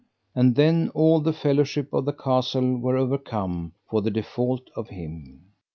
And then all the fellowship of the castle were overcome for the default of him.